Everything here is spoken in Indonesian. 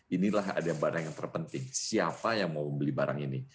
inilah ada barang yang terpenting siapa yang mau beli barang ini